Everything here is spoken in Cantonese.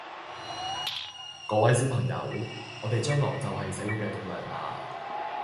各位小朋友，我哋將來就係社會嘅棟樑啦